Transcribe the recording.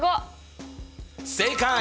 正解！